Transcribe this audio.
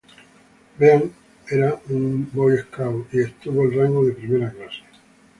Bean era un Boy Scout y obtuvo el rango de Primera Clase.